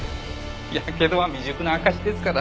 火傷は未熟な証しですから。